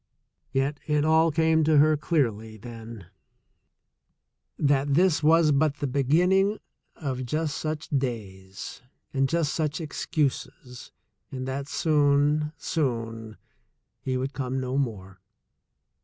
Yet it all came to her clearly then that this was but the be ginning of just such days and just such excuses, and that soon, soon, he would come no more.